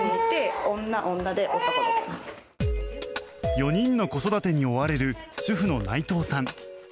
４人の子育てに追われる主婦の内藤さん。